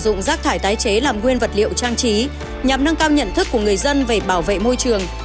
các công nghiệp thải tái chế làm nguyên vật liệu trang trí nhằm nâng cao nhận thức của người dân về bảo vệ môi trường